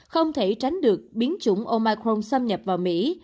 không thể tránh được biến chủng omicron xâm nhập vào mỹ